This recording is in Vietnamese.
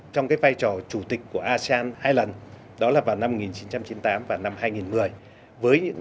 trong bài phát biểu của mình thủ tướng chính phủ nguyễn xuân phúc đã khẳng định và vững mạnh